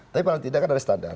tapi paling tidak kan ada standar